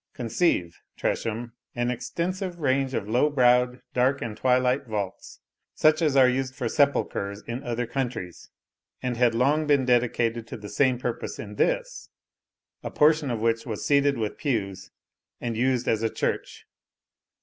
Conceive, Tresham, an extensive range of low browed, dark, and twilight vaults, such as are used for sepulchres in other countries, and had long been dedicated to the same purpose in this, a portion of which was seated with pews, and used as a church.